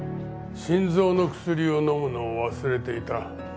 心臓の薬を飲むのを忘れていた。